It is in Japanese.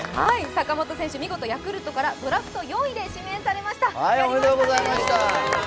坂本選手、見事ヤクルトからドラフト４位で指名されましたやりましたね！